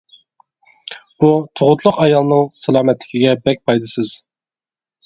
بۇ تۇغۇتلۇق ئايالنىڭ سالامەتلىكىگە بەك پايدىسىز.